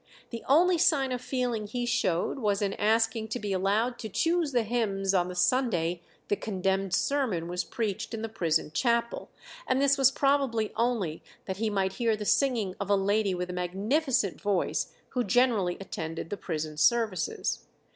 The only sign of feeling he showed was in asking to be allowed to choose the hymns on the Sunday the condemned sermon was preached in the prison chapel, and this was probably only that he might hear the singing of a lady with a magnificent voice who generally attended the prison services.